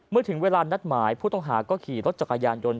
ถึงเวลานัดหมายผู้ต้องหาก็ขี่รถจักรยานยนต์